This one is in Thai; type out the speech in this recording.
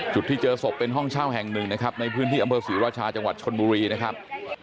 จุดที่เจอศพเป็นห้องเช่าแห่งหนึ่งนะครับในพื้นที่อำเภอศรีราชาจังหวัดชนบุรีนะครับ